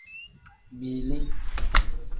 Biili.